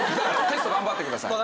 テスト頑張ってください。